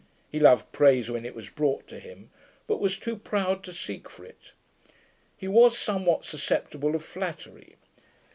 He loved praise when it was brought to him; but was too proud to seek for it. He was somewhat susceptible of flattery.